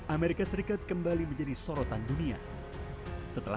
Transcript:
amerika serikat kembali menjadi sorotan dunia setelah